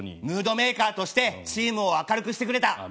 ムードメーカーとしてチームを明るくしてくれた。